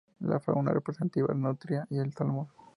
La fauna representativa nutria y el salmón.